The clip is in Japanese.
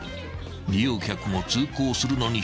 ［利用客も通行するのに一苦労］